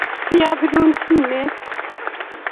Siyabirun simet